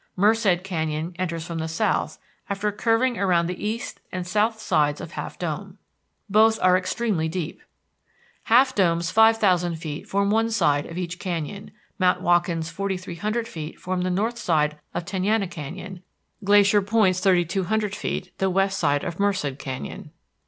Merced Canyon enters from the south after curving around the east and south sides of Half Dome. Both are extremely deep. Half Dome's 5,000 feet form one side of each canyon; Mount Watkin's 4,300 feet form the north side of Tenaya Canyon, Glacier Point's 3,200 feet the west side of Merced Canyon.